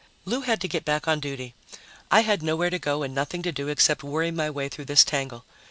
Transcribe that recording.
Lou had to get back on duty. I had nowhere to go and nothing to do except worry my way through this tangle.